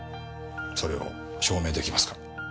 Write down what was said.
それを証明出来ますか？